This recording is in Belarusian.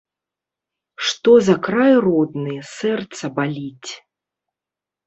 Што за край родны сэрца баліць.